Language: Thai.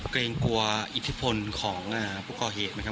เกรงกลัวอิทธิพลของผู้ก่อเหตุไหมครับ